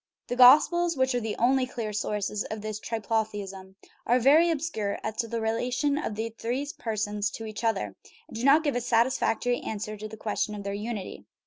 The Gospels, which are the only clear sources of this triplotheism, are very obscure as to the relation of these three persons to each other, and do not give a satisfactory answer to the question of their unity.